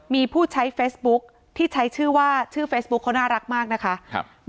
มีผู้ใช้เฟซบุ๊คที่ใช้ชื่อว่าชื่อเฟซบุ๊คเขาน่ารักมากนะคะ